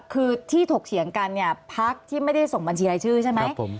คือที่ถกเถียงกันเนี่ยพักที่ไม่ได้ส่งบัญชีรายชื่อใช่ไหม